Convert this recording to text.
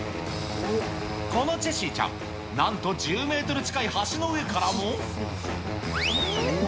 このチェシーちゃん、なんと１０メートル近い橋の上からも。